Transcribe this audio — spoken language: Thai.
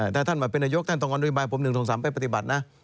ถ้าท่านมาเป็นนายกท่านต้องเอานโยบายผม๑๒๓ไปปฏิบัตินะ